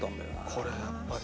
これやっぱり。